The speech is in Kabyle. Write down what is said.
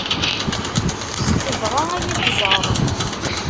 Tebɣa ad yi-tẓeṛ.